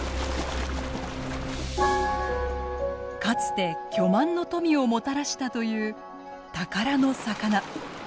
かつて巨万の富をもたらしたという宝の魚。